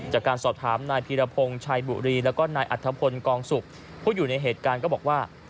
จากการสอบถามนายพีรพงศ์ชัยบุรีแล้วก็นายอัธพลกองสุกผู้อยู่ในเหตุการณ์ก็บอกว่า